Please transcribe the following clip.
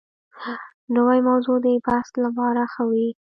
نوې موضوع د بحث لپاره ښه وي